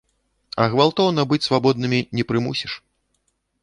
А гвалтоўна быць свабоднымі не прымусіш.